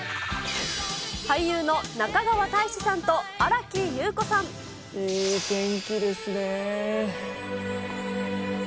俳優の中川大志さんと新木優子さいい天気ですねー。